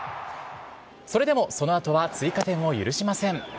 それでもそのあとは追加点を許しません。